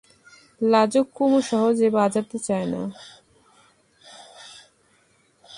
লাজুক কুমু সহজে বাজাতে চায় না।